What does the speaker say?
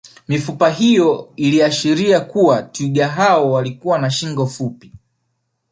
Mifupa hiyo iliashiria kuwa twiga hao walikuwa na shingo fupi